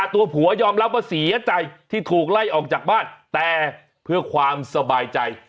ตัวผัวยอมรับว่าเสียใจที่ถูกไล่ออกจากบ้านแต่เพื่อความสบายใจ